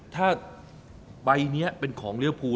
ถ้าไพ่นี้เป็นของเรื้อพู